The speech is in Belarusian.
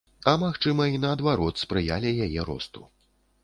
А магчыма, і наадварот, спрыялі яе росту.